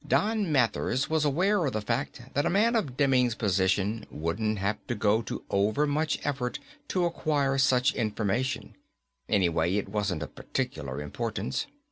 Don Mathers was aware of the fact that a man of Demming's position wouldn't have to go to overmuch effort to acquire such information, anyway. It wasn't of particular importance.